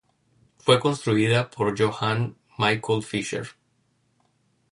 Fue construida por Johann Michael Fischer.